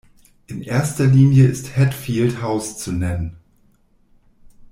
In erster Linie ist Hatfield House zu nennen.